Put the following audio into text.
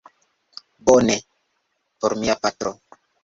Bone, por mia patro